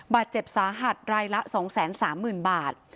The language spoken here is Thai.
บาดเจ็บสาหัสรายละ๒๓๐๐๐บาท